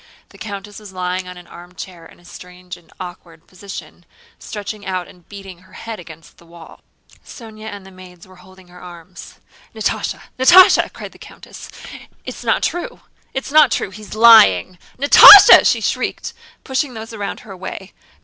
The countess was lying in an armchair in a strange and awkward position, stretching out and beating her head against the wall. Sónya and the maids were holding her arms. "Natásha! Natásha!..." cried the countess. "It's not true... it's not true... He's lying... Natásha!" she shrieked, pushing those around her away.